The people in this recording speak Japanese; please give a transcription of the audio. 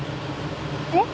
えっ？